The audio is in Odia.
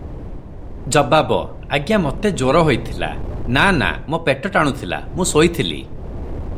ଜବାବ - ଆଜ୍ଞା ମୋତେ ଜ୍ୱର ହୋଇଥିଲା - ନା ନା ମୋ ପେଟ ଟାଣୁ ଥିଲା, ମୁଁ ଶୋଇଥିଲି ।